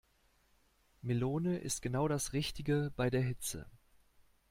Melone ist genau das Richtige bei der Hitze.